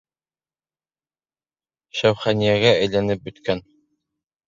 Шәүхәүәнигә әйләнеп бөткән.